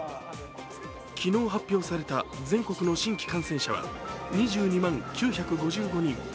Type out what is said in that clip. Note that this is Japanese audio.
昨日発表された全国の新規感染者は２２万９５５人。